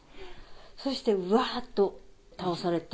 そしてわーっと倒されて。